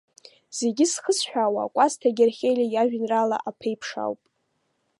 Зегьы зхысҳәаауа, Кәасҭа Герхелиа иажәеинраала Аԥеиԥш ауп.